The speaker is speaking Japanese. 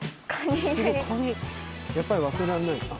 やっぱり忘れられない？